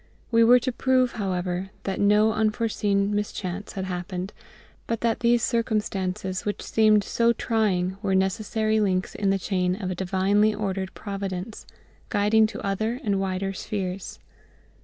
We were to prove, however, that no unforeseen mischance had happened, but that these circumstances which seemed so trying were necessary links in the chain of a divinely ordered providence, guiding to other and wider spheres.